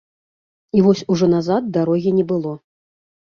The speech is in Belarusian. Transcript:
І вось ужо назад дарогі не было.